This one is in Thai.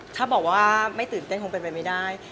ถ้าบอกว่าไม่ตื่นเต้นคงเป็นไปไม่ได้